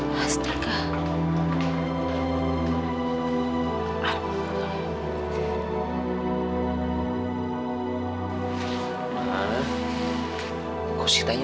maaf ada perlu apa ya